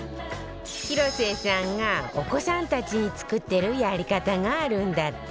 広末さんがお子さんたちに作ってるやり方があるんだって